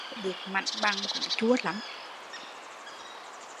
Lấy cho được mảnh bằng cũng chua lắm